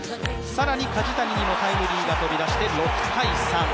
更に梶谷にもタイムリーが飛び出して６−３。